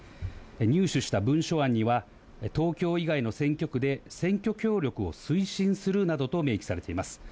入手した文書案には、東京以外の選挙区で、選挙協力を推進するなどと明記されています。